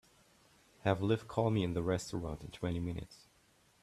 Have Liv call me in the restaurant in twenty minutes.